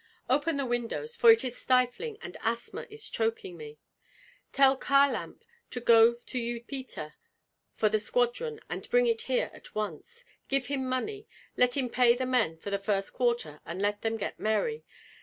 "Open the windows, for it is stifling and asthma is choking me. Tell Kharlamp to go to Upita for the squadron and bring it here at once. Give him money, let him pay the men for the first quarter and let them get merry.